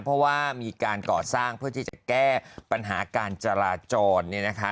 เพราะว่ามีการก่อสร้างเพื่อที่จะแก้ปัญหาการจราจรเนี่ยนะคะ